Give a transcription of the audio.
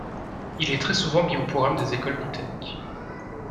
Il est très souvent mis au programme des écoles britanniques.